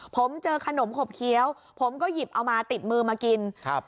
ผมเจอขนมขบเคี้ยวผมก็หยิบเอามาติดมือมากินครับ